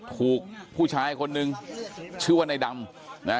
ผูกผู้ชายคนหนึ่งชื่อว่าในดำ